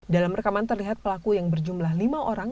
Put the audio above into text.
dalam rekaman terlihat pelaku yang berjumlah lima orang